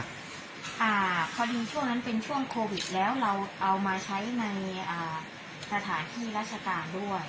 พอดีช่วงนั้นเป็นช่วงโควิดแล้วเราเอามาใช้ในอ่าสถานที่ราชการด้วย